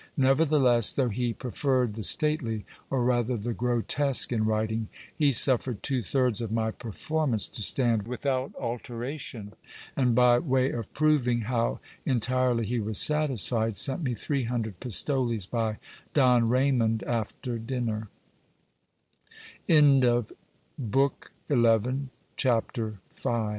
Nevertheless, though he pre ferred the stately, or rather the grotesque in writing, he suffered two thirds of my performance to stand without alteration ; and by way of proving how en tirely he was satisfied, sent me three hundred pistoles by Don Raymond after dinner.